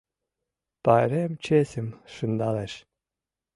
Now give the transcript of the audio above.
Пайрем чесым шындалеш.